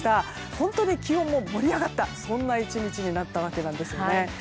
本当に気温も盛り上がった１日になったんですね。